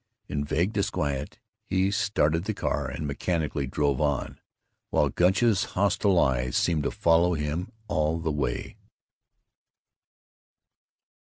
In vague disquiet he started the car and mechanically drove on, while Gunch's hostile eyes seemed to follow him all the way.